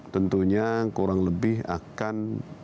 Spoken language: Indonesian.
tentunya kurang lebih akan